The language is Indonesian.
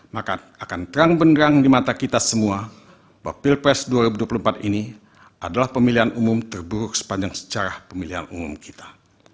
maka akan terang benerang di mata kita semua bahwa pilpres dua ribu dua puluh empat ini adalah pemilihan umum terburuk sepanjang sejarah pemilihan umum kita